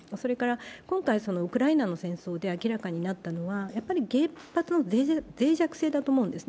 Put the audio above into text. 今回、ウクライナの戦争で明らかになったのは、原発のぜい弱性だと思うんですね。